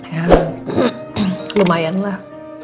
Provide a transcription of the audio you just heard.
ya lumayan lah